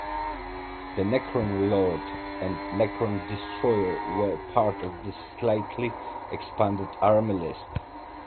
The "Necron Lord" and "Necron Destroyer" were part of this slightly-expanded army list.